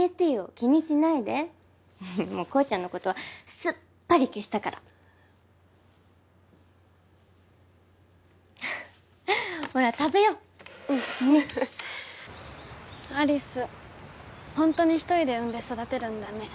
気にしないでもうコウちゃんのことはすっぱり消したからほら食べよねっうん有栖ホントに一人で産んで育てるんだね